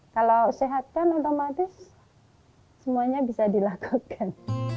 kalau sehat kan otomatis semuanya bisa dilakukan